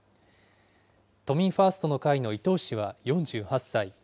都民ファーストの会の伊藤氏は４８歳。